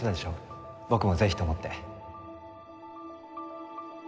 僕もぜひと思って。